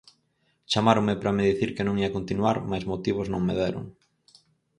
Chamáronme para me dicir que non ía continuar mais motivos non me deron.